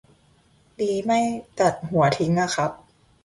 ดีไม่ตัดหัวทิ้งอะครับ